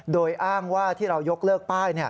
โดยอ้างว่าที่เรายกเลิกป้าย